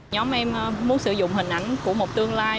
nhóm em muốn sử dụng hình ảnh của một tương lai